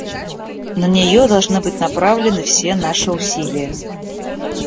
На нее должны быть направлены все наши усилия.